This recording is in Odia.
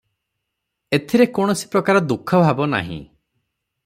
ଏଥିରେ କୌଣସି ପ୍ରକାର ଦୁଃଖ ଭାବ ନାହିଁ ।"